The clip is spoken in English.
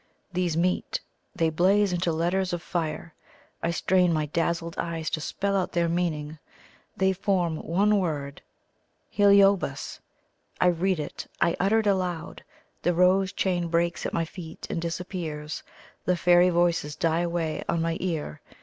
These meet; they blaze into letters of fire. I strain my dazzled eyes to spell out their meaning. They form one word HELIOBAS. I read it. I utter it aloud. The rose chain breaks at my feet, and disappears. The fairy voices die away on my ear.